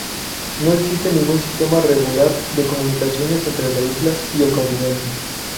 No existe ningún sistema regular de comunicaciones entre la isla y el continente.